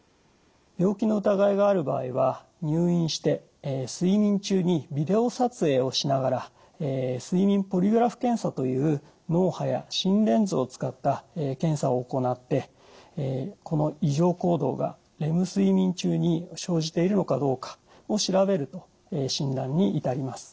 病気の疑いがある場合は入院して睡眠中にビデオ撮影をしながら睡眠ポリグラフ検査という脳波や心電図を使った検査を行ってこの異常行動がレム睡眠中に生じているのかどうかを調べると診断に至ります。